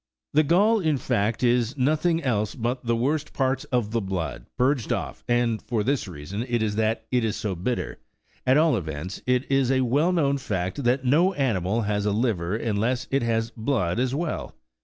The gall, in fact, is nothing else but the worst parts of the blood purged off, and for this reason it is that it is so bitter : at all events, it is a well known fact, that no animal has a liver unless it has blood as well.